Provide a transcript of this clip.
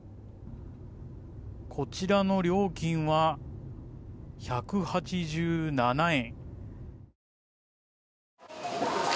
こちらの料金は１８７円。